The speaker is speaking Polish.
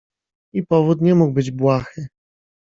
"I powód nie mógł być błahy."